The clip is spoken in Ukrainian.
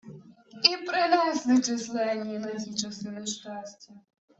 І принесли численні на ті часи нещастя